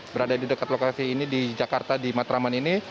berada di dekat lokasi ini di jakarta di matraman ini